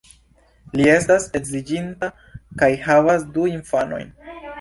Li estas edziĝinta kaj havas du infanojn.